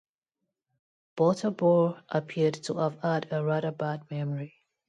Butterbur appeared to have had a rather bad memory.